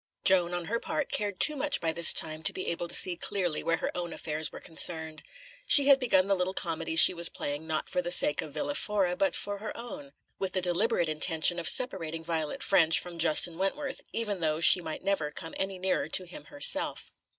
Joan, on her part, cared too much by this time to be able to see clearly, where her own affairs were concerned. She had begun the little comedy she was playing not for the sake of Villa Fora, but for her own, with the deliberate intention of separating Violet Ffrench from Justin Wentworth, even though she might never come any nearer to him herself.